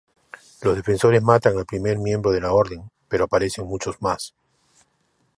Los Defensores matan al primer miembro de la Orden, pero aparecen muchos más.